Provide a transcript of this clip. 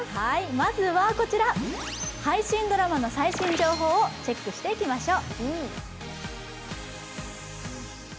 まずはこちら、配信ドラマの最新情報をチェックしていきましょう。